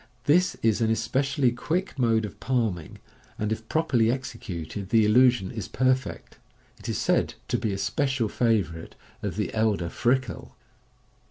This is an specially quick mode of palming, and if properly executed the illusion is perfect. It is said to be a special favourite of the elder Frikell.